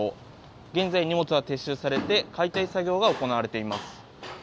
現在、荷物は撤収されて解体作業が行われています。